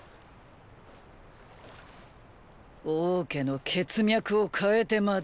王家の血脈を変えてまでもかよ。